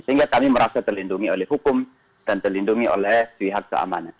sehingga kami merasa terlindungi oleh hukum dan terlindungi oleh pihak keamanan